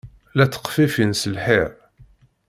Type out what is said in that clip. La tteqfifin seg lḥir.